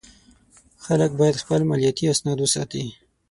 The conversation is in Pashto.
خلک باید خپل مالیاتي اسناد وساتي.